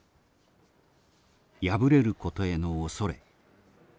敗れることへの恐れ。